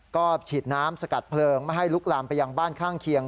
ก็ฉีดน้ำสกัดเพลิงไม่ให้ลุกลามไปยังบ้านข้างเคียง